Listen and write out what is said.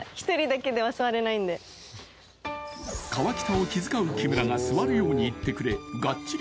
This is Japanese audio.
河北を気遣う木村が座るように言ってくれガッチリ